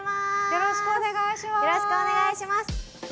よろしくお願いします。